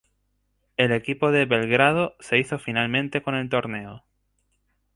El equipo de Belgrado se hizo finalmente con el torneo.